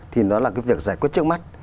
thì nó là cái việc giải quyết trước mắt